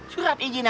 surat izinnya mana